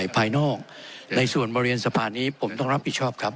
ไม่ต้องค่ะครับผมไม่เป็นไร